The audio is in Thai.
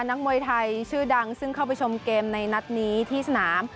นักมวยไทยชื่อดังซึ่งเข้าไปชมเกมในนัดนี้ที่สนาม